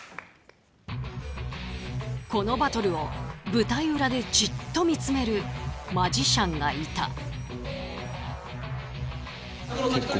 このバトルを舞台裏でじっと見つめるマジシャンがいた。